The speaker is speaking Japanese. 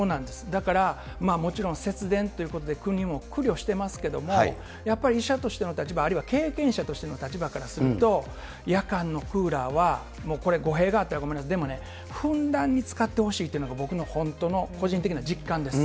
だから、もちろん節電ということで、国も苦慮してますけども、やっぱり医者としての立場、あるいは経験者としての立場からすると、夜間のクーラーは、もうこれ、ごへいがあったらごめんなさい、でもね、ふんだんに使ってほしいというのが、僕の本当の個人的な実感です。